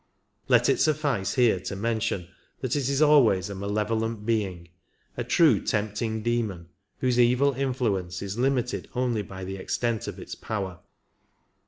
Let it suffice here to mention that it is always a malevolent being — a true tempting demon, whose evil influence is limited only by the extent of its power.